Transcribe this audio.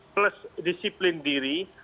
plus disiplin diri